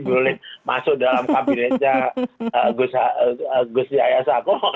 boleh masuk dalam kabinetnya gus yaya sakop